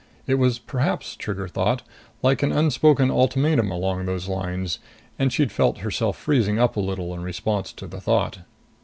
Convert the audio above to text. It was perhaps, Trigger thought, like an unspoken ultimatum along those lines. And she'd felt herself freezing up a little in response to the thought.